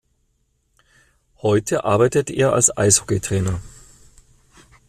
Heute arbeitet er als Eishockeytrainer.